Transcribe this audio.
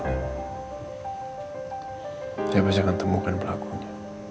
saya masih akan temukan pelakunya